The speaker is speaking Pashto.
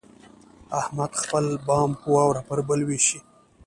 احمد خپل بام واوره پر بل وشي.